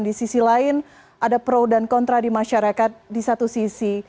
di sisi lain ada pro dan kontra di masyarakat di satu sisi